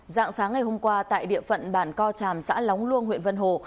dạng sáng ngày hôm qua tại địa phận bản co tràm xã lóng luông huyện vân hồ